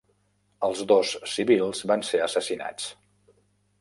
Els dos civils van ser assassinats.